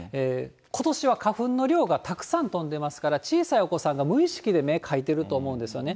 ことしは花粉の量がたくさん飛んでますから、小さいお子さんが、無意識で目かいてると思うんですよね。